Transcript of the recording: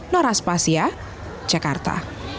noras pasya jakarta